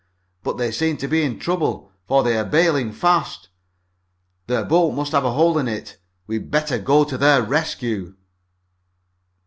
But they seem to be in trouble, for they are bailing fast. Their boat must have a hole in it. We'd better go to their rescue!"